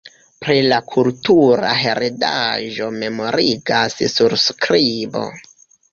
Pri la kultura heredaĵo memorigas surskribo.